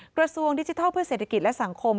กระทรวงดิจิทัลเพื่อเศรษฐกิจและสังคม